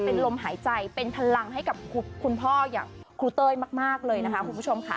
เป็นลมหายใจเป็นพลังให้กับคุณพ่ออย่างครูเต้ยมากเลยนะคะคุณผู้ชมค่ะ